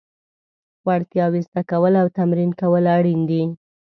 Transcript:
وړتیاوې زده کول او تمرین کول اړین دي.